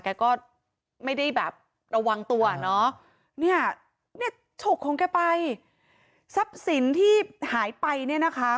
แกก็ไม่ได้แบบระวังตัวเนอะเนี่ยฉกของแกไปทรัพย์สินที่หายไปเนี่ยนะคะ